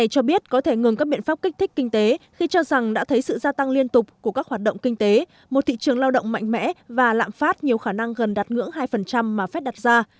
cho biết có thể ngừng các biện pháp kích thích kinh tế khi cho rằng đã thấy sự gia tăng liên tục của các hoạt động kinh tế một thị trường lao động mạnh mẽ và lạm phát nhiều khả năng gần đạt ngưỡng hai mà phép đặt ra